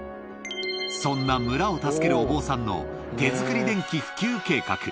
そんな村を助けるお坊さんの手作り電気普及計画。